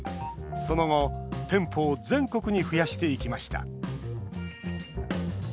その後、店舗を全国に増やしていきました。